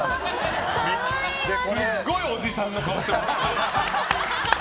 すっごいおじさんの顔してますね。